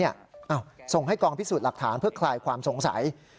ส่งให้กองพิสูจน์หลักฐานเพื่อคลายความสงสัย